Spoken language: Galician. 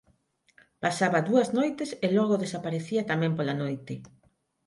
Pasaba dúas noites e logo desaparecía tamén pola noite.